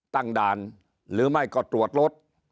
ตั้งด่านหรือไม่ก็ตรวจรถ